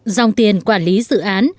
dòng tiền quản lý dự án